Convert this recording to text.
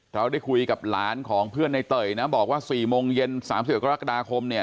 เราได้คุยกับหลานของเพื่อนในเตยนะบอกว่า๔โมงเย็น๓๑กรกฎาคมเนี่ย